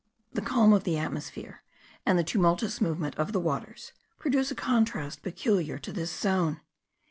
The calm of the atmosphere, and the tumultuous movement of the waters, produce a contrast peculiar to this zone.